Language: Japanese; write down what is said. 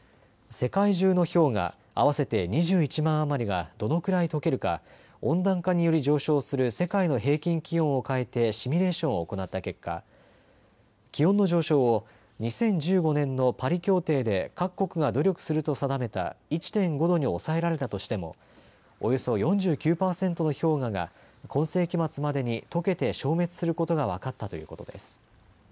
世界中の氷河合わせて２１万余りがどのくらいとけるか温暖化により上昇する世界の平均気温を変えてシミュレーションを行った結果、気温の上昇を２０１５年のパリ協定で各国が努力すると定めた１．５度に抑えられたとしてもおよそ４９％の氷河が今世紀末までにとけて消滅することが分かったということです。